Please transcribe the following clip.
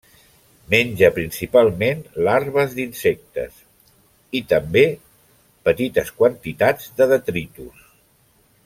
Menja principalment larves d'insectes i, també, petites quantitats de detritus.